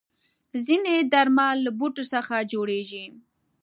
ځینې درمل له بوټو څخه جوړېږي.